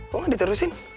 kok gak diterusin